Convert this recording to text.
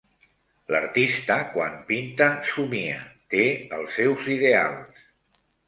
L'artista, quan pinta, somia, te els seus ideals